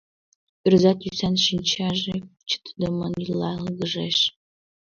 Ӧрза тӱсан шинчаже чытыдымын йӱла, йылгыжеш.